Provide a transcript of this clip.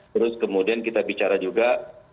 terus kemudian kita bicara juga